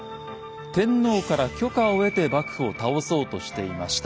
天皇から許可を得て幕府を倒そうとしていました。